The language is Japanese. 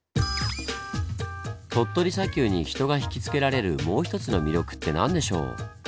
鳥取砂丘に人がひきつけられるもう１つの魅力って何でしょう？